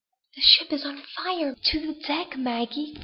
"The ship is on fire to the deck, Maggie!